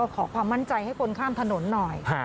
ขอความมั่นใจให้คนข้ามถนนหน่อย